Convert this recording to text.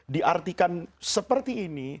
diartikan seperti ini